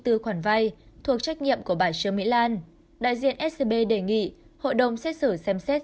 thuộc trách nhiệm của bài chương mỹ lan đại diện scb đề nghị hội đồng xét xử xem xét